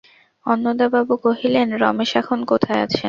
অন্নদাবাবু কহিলেন, রমেশ এখন কোথায় আছেন?